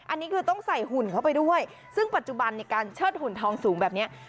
อันนี้คือต้องใส่หุ่นเข้าไปด้วยซึ่งปัจจุบันในการเชิดหุ่นทองสูงแบบนี้